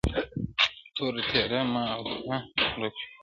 • تـوره تـــيـــاره ده مـــا او تـــا ورك يـــــــو.